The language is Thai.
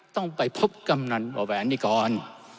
ต้องไปพบกำนันบ่อแหวนนี้ก่อน